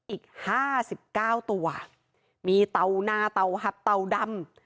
อีกห้าสิบเก้าตัวมีเตาหน้าเตาหัดเตาดำ